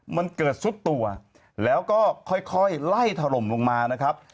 มันเกิดซุดตัวแล้วก็ค่อยไล่ถล่มลงมานะครับ